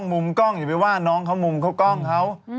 มุมกล้องอย่าไปว่าน้องเขามุมเข้ากล้องเขา